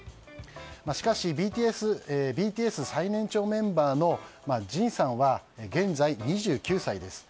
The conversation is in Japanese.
しかし、ＢＴＳ最年長メンバーのＪＩＮさんは現在２９歳です。